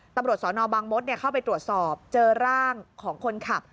ตำรวจสนบางมดเข้าไปตรวจสอบเจอร่างของคนขับ